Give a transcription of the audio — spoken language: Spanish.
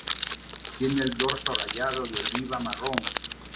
Tiene el dorso rayado de oliva-marrón.